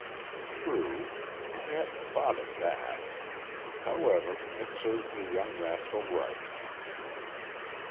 "True. I hadn't thought of that. However, it serves the young rascal right."